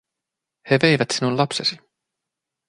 "He veivät sinun lapsesi.